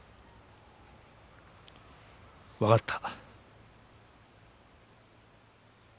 分かった。